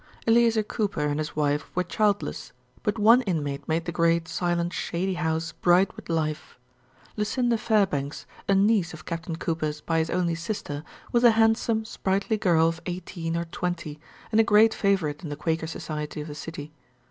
Eleazer Cooper and his wife were childless, but one inmate made the great, silent, shady house bright with life. Lucinda Fairbanks, a niece of Captain Cooper's by his only sister, was a handsome, sprightly girl of eighteen or twenty, and a great favorite in the Quaker society of the city.